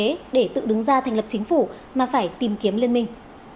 đảng pháp không muốn ra thành lập chính phủ mà phải tìm kiếm liên minh